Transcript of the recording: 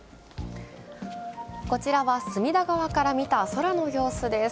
こちらは隅田川から見た空の様子です。